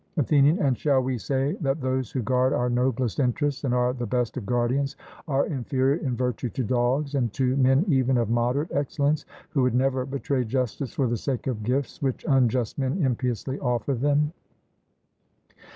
ATHENIAN: And shall we say that those who guard our noblest interests, and are the best of guardians, are inferior in virtue to dogs, and to men even of moderate excellence, who would never betray justice for the sake of gifts which unjust men impiously offer them?